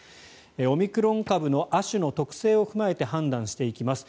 オミクロン株亜種の特性を踏まえて判断していきます。